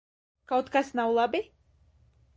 Kaut kas nav labi?